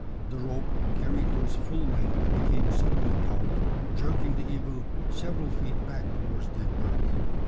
The rope, carried to its full length, became suddenly taut jerking the eagle several feet back towards the earth.